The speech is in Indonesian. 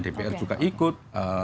dpr juga ikut